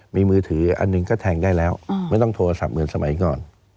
มีมือถืออันหนึ่งก็แทงได้แล้วไม่ต้องโทรศัพท์เหมือนสมัยก่อน